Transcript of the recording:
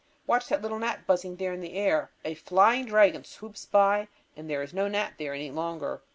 Watch that little gnat buzzing there in the air. A flying dragon swoops by and there is no gnat there any longer.